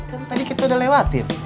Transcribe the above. kan tadi kita udah lewatin